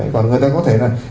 còn người ta có thể là